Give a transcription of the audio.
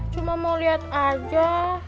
cuma mau liat aja